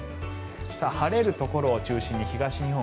晴れるところを中心に東日本、